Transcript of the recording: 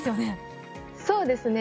そうですね。